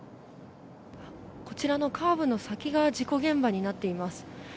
こちらのカーブの先が事故現場になっています。